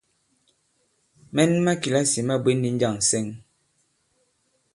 Mɛn ma kìlasì ma bwě ndi njâŋ ǹsɛŋ?